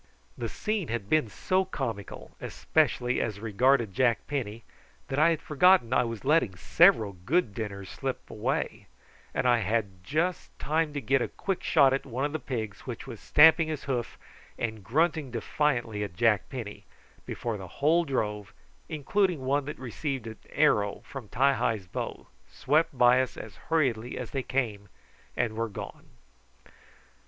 The scene had been so comical, especially as regarded Jack Penny, that I had forgotten that I was letting several good dinners slip away, and I had just time to get a quick shot at one of the pigs which was stamping his hoof and grunting defiantly at Jack Penny, before the whole drove, including one that had received an arrow from Ti hi's bow, swept by us as hurriedly as they came, and were gone.